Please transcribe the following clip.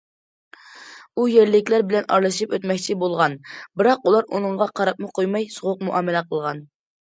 ئۇ يەرلىكلەر بىلەن ئارىلىشىپ ئۆتمەكچى بولغان، بىراق، ئۇلار ئۇنىڭغا قاراپمۇ قويماي، سوغۇق مۇئامىلە قىلغان.